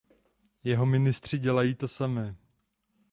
Jeho ministři dělají to samé.